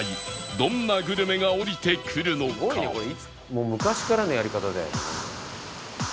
もう昔からのやり方だよね。